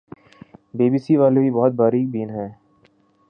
be B C والے بھی بہت باریک بین ہیں